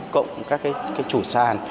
cộng các chủ sàn